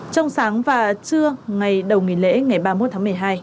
trong sáng và trưa ngày đầu nghỉ lễ ngày ba mươi một tháng một mươi hai